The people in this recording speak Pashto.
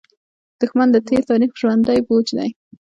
دښمن د تېر تاریخ ژوندى بوج دی